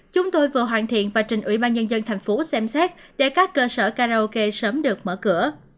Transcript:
chúng tôi vừa hoàn thiện và trình ủy ban nhân dân thành phố xem xét để các cơ sở karaoke sớm được mở cửa